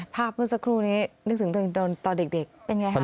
ภาพนู้นสักครู่นี้นึกถึงตอนเด็กเป็นอย่างไรคะ